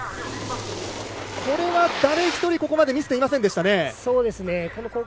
これは誰１人ここまで見せていませんでした。